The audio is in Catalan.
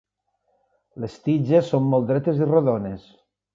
Les tiges són molt dretes i rodones.